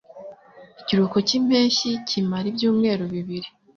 Ikiruhuko cyimpeshyi kimara ibyumweru bibiri.